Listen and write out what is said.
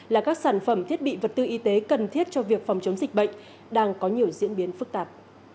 là các sản phẩm thiết bị vật tư y tế cần thiết cho việc phòng chống dịch bệnh đang có nhiều diễn biến phức tạp